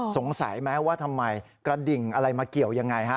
สงสัยไหมว่าทำไมกระดิ่งอะไรมาเกี่ยวยังไงฮะ